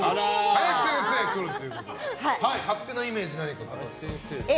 林先生が来るということで勝手なイメージ何かありますか。